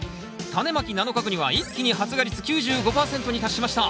タネまき７日後には一気に発芽率９５％に達しました！